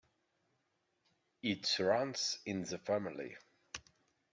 It runs in the family.